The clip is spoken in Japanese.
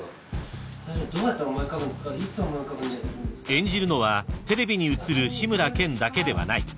［演じるのはテレビに映る志村けんだけではない］